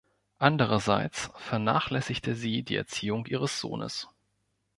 Andererseits vernachlässigte sie die Erziehung ihres Sohnes.